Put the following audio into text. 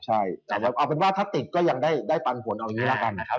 ใช่เอาเป็นว่าถ้าติดก็ยังได้ปันผลเอาอย่างนี้ละกัน